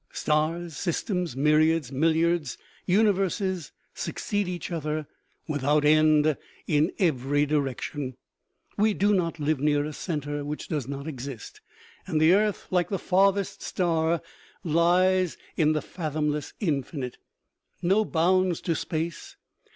Stars, systems, myriads, milliards, universes succeed each other without end in every direction. We do not live near a center which does not exist, and the earth, like the farthest star, lies in the fathom less infinite. No bounds to space.